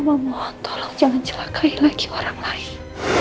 mama mohon tolong jangan celakai lagi orang lain